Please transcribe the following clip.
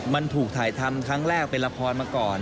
มันถูกถ่ายทำครั้งแรกเป็นละครมาก่อน